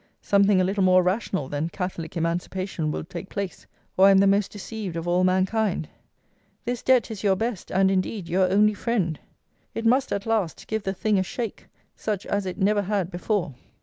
Something a little more rational than "Catholic Emancipation" will take place, or I am the most deceived of all mankind. This Debt is your best, and, indeed, your only friend. It must, at last, give the THING a shake, such as it never had before.